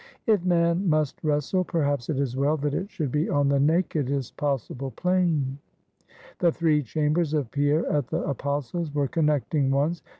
If man must wrestle, perhaps it is well that it should be on the nakedest possible plain. The three chambers of Pierre at the Apostles' were connecting ones.